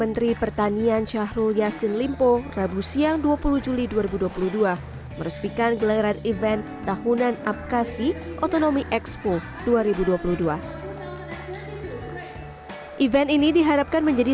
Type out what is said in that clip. terima kasih pak menteri